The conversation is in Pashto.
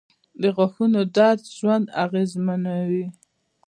• د غاښونو درد ژوند اغېزمنوي.